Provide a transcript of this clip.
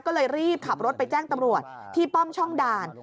ก็เลยรีบขับรถไปแจ้งตำรวจที่ป้อมช่องด่าน